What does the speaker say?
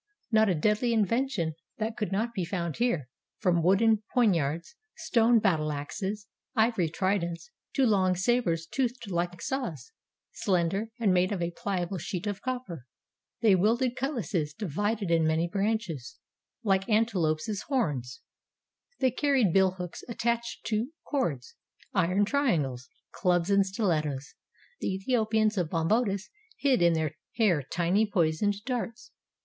Not a deadly invention that could not be found here, from wooden poniards, stone battle axes, ivory tridents, to long sabers toothed like saws, slender, and made of a pliable sheet of copper. They wielded cutlasses divided in many branches, like 281 NORTHERN AFRICA antelopes' horns; they carried billhooks attached to cords, iron triangles, clubs and stilettoes. The Ethio pians of Bambotus hid in their hair tiny poisoned darts.